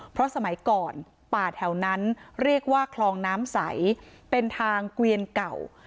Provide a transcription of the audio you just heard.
เพราะสมัยก่อนป่าแถวนั้นเรียกว่าคลองน้ำใสเป็นทางเกวียนเก่า